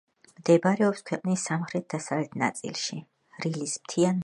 მდებარეობს ქვეყნის სამხრეთ-დასავლეთ ნაწილში, რილის მთიან მასივში.